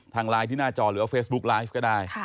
ทางไลน์ที่หน้าจอหรือว่าเฟซบุ๊กไลฟ์ก็ได้